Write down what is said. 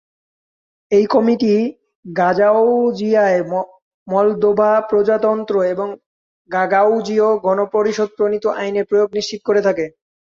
এই কমিটি গাগাউজিয়ায় মলদোভা প্রজাতন্ত্র এবং গাগাউজীয় গণপরিষদ প্রণীত আইনের প্রয়োগ নিশ্চিত করে থাকে।